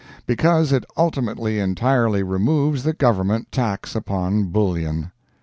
Because, it ultimately entirely removes the Government tax upon bullion.